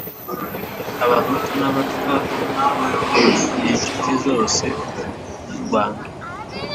abahutu n'abatwa, n'inshuti zose z'u rwanda